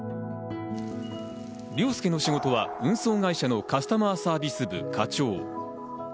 凌介の仕事は運送会社のカスタマーサービス部課長。